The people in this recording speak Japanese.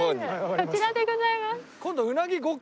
こちらでございます。